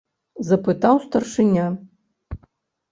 - запытаў старшыня.